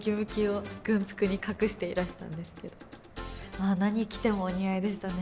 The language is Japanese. まあ何着てもお似合いでしたね。